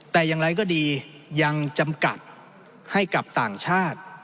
แต่อย่างไรก็ดียังจำกัดให้กับต่างชาติ